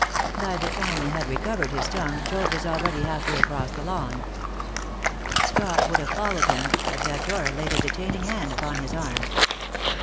By the time he had recovered his tongue Joad was already halfway across the lawn. Scott would have followed him, but that Dora laid a detaining hand upon his arm.